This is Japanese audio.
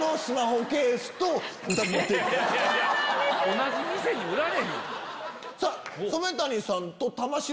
同じ店に売られへん。